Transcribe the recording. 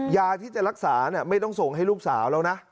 ยาที่จะรักษาไม่ต้องส่งให้ลูกสาวแล้วนะ